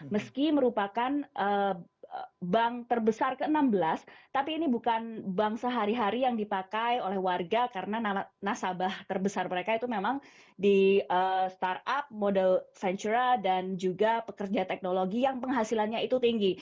meski merupakan bank terbesar ke enam belas tapi ini bukan bank sehari hari yang dipakai oleh warga karena nasabah terbesar mereka itu memang di startup model ventura dan juga pekerja teknologi yang penghasilannya itu tinggi